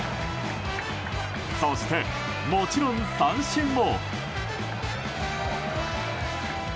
そして、もちろん三振も。